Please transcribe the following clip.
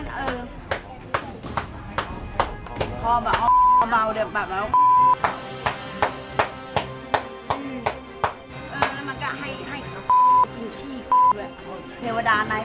รุ่นหลานจะมาอีกแล้วมั้ง